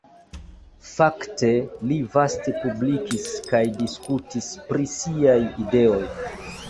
Fakte li vaste publikigis kaj diskutis pri siaj ideoj.